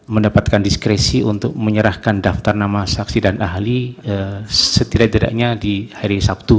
mendapatkan diskresi untuk menyerahkan daftar nama saksi dan ahli setidak tidaknya di hari sabtu